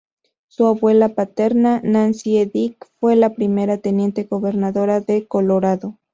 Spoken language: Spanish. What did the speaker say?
Su abuela paterna, Nancy E. Dick, fue la primera teniente gobernadora de Colorado.